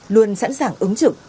luôn sẵn sàng ứng trực